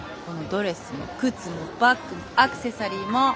このドレスも靴もバッグもアクセサリーも。